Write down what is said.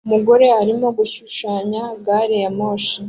Umugore arimo gushushanya gari ya moshi